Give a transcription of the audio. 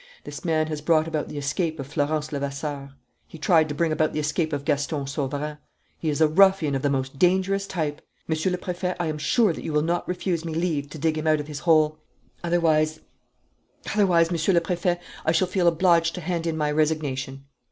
This man has brought about the escape of Florence Levasseur. He tried to bring about the escape of Gaston Sauverand. He is a ruffian of the most dangerous type. Monsieur le Préfet, I am sure that you will not refuse me leave to dig him out of his hole. Otherwise otherwise, Monsieur le Préfet, I shall feel obliged to hand in my resignation."